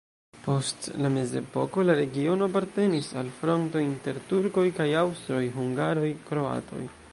Post la mezepoko la regiono apartenis al fronto inter turkoj kaj aŭstroj-hungaroj-kroatoj.